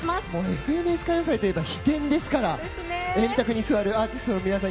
「ＦＮＳ歌謡祭」といえば飛天ですから円卓に座るアーティストの皆さん